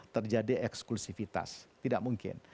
terjadi eksklusifitas tidak mungkin